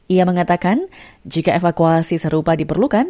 ia mengatakan jika evakuasi serupa diperlukan